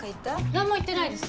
何も言ってないです。